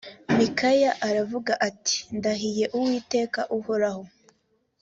mikaya aravuga ati ndahiye uwiteka uhoraho